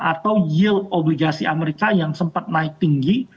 atau yield obligasi amerika yang sempat naik tinggi